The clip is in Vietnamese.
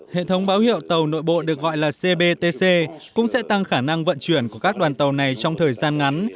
hệ thống báo hiệu tàu nội bộ được gọi là cbtc cũng sẽ tăng khả năng vận chuyển của các đoàn tàu này trong thời gian ngắn